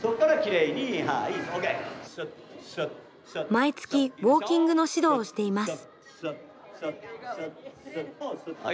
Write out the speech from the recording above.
毎月ウォーキングの指導をしています。